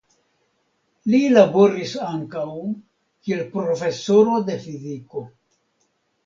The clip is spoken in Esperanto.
Li laboris ankaŭ kiel profesoro de fiziko.